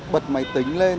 bật máy tính lên